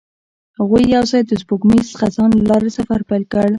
هغوی یوځای د سپوږمیز خزان له لارې سفر پیل کړ.